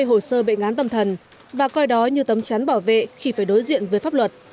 hồ sơ bệnh án tâm thần và coi đó như tấm chắn bảo vệ khi phải đối diện với pháp luật